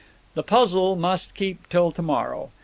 The puzzle must keep till to morrow.